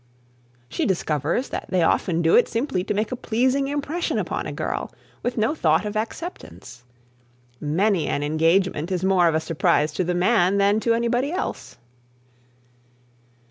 She discovers that they often do it simply to make a pleasing impression upon a girl, with no thought of acceptance. Many an engagement is more of a surprise to the man than to anybody else.